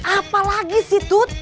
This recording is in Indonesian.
apalagi sih tut